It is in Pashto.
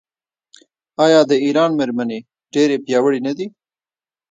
آیا د ایران میرمنې ډیرې پیاوړې نه دي؟